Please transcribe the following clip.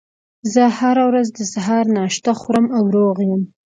زه هره ورځ د سهار ناشته خورم او روغ یم